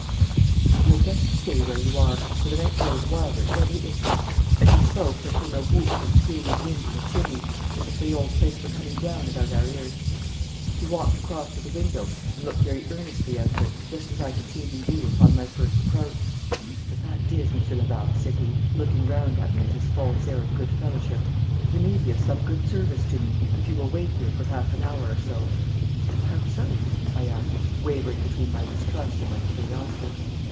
'Tut; you had best stay where you are, for the night grows wilder every instant.' As he spoke there came a whoop and scream of wind in the chimney, as if the old place were coming down about our ears. He walked across to the window and looked very earnestly out of it, just as I had seen him do upon my first approach. 'The fact is, Monsieur Laval,' said he, looking round at me with his false air of good fellowship, 'you may be of some good service to me if you will wait here for half an hour or so.' 'How so?' I asked, wavering between my distrust and my curiosity.